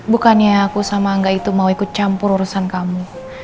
bukannya aku sama angga itu mau ikut campur urusan kamu